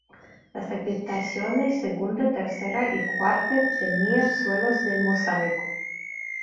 Las habitaciones segunda, tercera y cuarta tenían suelos de mosaico.